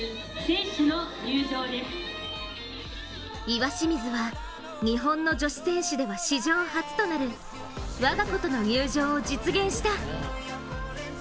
岩清水は日本の女子選手では史上初となる我が子との入場を実現した。